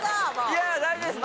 いや大丈夫です。